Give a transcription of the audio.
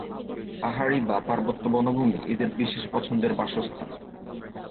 পাহাড়ি বা পার্বত্য বনভূমি এদের বিশেষ পছন্দের বাসস্থান।